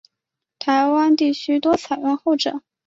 台湾地区多采用后者。